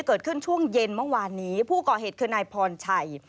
เกิดขึ้นช่วงเย็นเมื่อวานนี้ผู้ก่อเหตุคือนายพรชัย